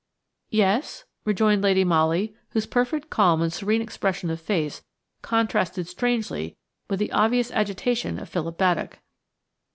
"Yes?" rejoined Lady Molly, whose perfect calm and serene expression of face contrasted strangely with the obvious agitation of Philip Baddock.